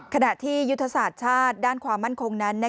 ขณะที่ยุทธศาสตร์ชาติด้านความมั่นคงนั้น